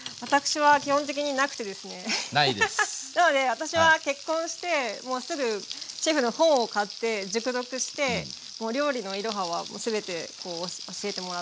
私は結婚してもうすぐシェフの本を買って熟読してもう料理のイロハは全て教えてもらって。